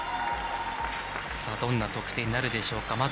どんな得点になるでしょうか。